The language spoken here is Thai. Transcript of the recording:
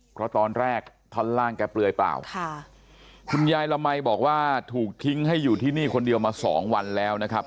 เพราะตอนแรกท่อนล่างแกเปลือยเปล่าค่ะคุณยายละมัยบอกว่าถูกทิ้งให้อยู่ที่นี่คนเดียวมาสองวันแล้วนะครับ